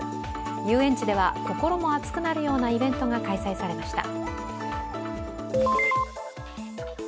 遊園地では、心も熱くなるようなイベントが開催されました。